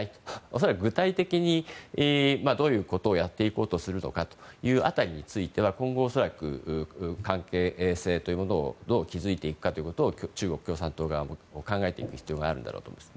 恐らく具体的に、どういうことをやっていこうとするのかという辺りについては今後、恐らく関係性というものをどう築いていくかということを中国共産党が考えていく必要があるんだと思います。